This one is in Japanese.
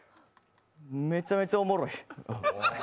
めちゃめちゃおもろい。